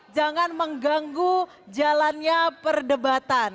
jangan mengganggu jalannya perdebatan